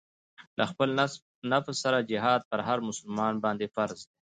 له خپل نفس سره جهاد پر هر مسلمان باندې فرض دی.